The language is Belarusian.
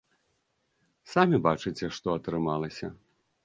Самі бачыце, што атрымалася.